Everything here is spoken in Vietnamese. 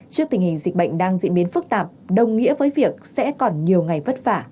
trước tình hình dịch bệnh đang diễn biến phức tạp đồng nghĩa với việc sẽ còn nhiều ngày vất vả